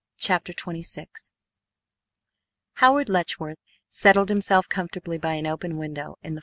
CHAPTER XXVI Howard Letchworth settled himself comfortably by an open window in the 5.